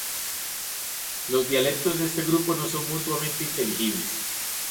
Los dialectos de este grupo no son mutuamente inteligibles.